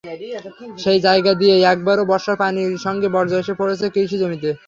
সেই জায়গা দিয়ে এবারও বর্ষায় পানির সঙ্গে বর্জ্য এসে পড়েছে কৃষিজমিতে।